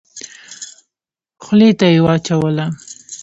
خولې ته يې واچوله.